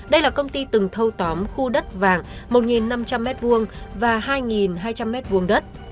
đây là công ty từng thâu tóm khu đất vàng một năm trăm linh m hai và hai hai trăm linh m hai đất